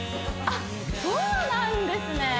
あっそうなんですね